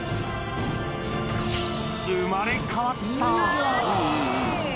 生まれ変わった。